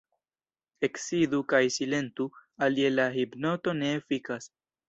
Eksidu kaj silentu, alie la hipnoto ne efikas.